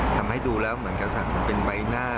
ทำให้ดูแล้วเหมือนกับเป็นใบหน้า